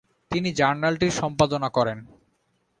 তিনি জার্নালটির সম্পাদনা করেন।